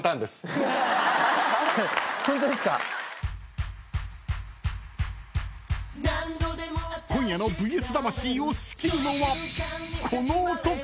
［今夜の『ＶＳ魂』を仕切るのはこの男］